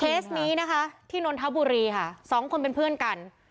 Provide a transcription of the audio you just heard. นี้นะคะที่นนทบุรีค่ะสองคนเป็นเพื่อนกัน